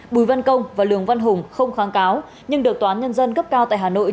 bùi văn công và lường văn hùng không kháng cáo nhưng được toán nhân dân cấp cao tại hà nội